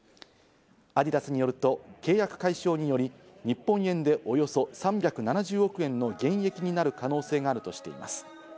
アディダスによると、契約解消により日本円でおよそ３７０億円の減益になる可能性があるとしています。